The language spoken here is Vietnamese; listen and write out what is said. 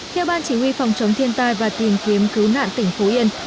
theo ban chỉ huy phòng chống thiên tai và tìm kiếm cứu nạn tỉnh phú yên